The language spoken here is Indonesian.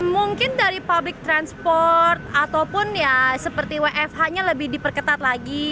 mungkin dari public transport ataupun ya seperti wfh nya lebih diperketat lagi